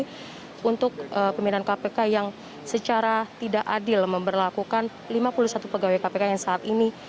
jadi untuk pimpinan kpk yang secara tidak adil memperlakukan lima puluh satu pegawai kpk yang saat ini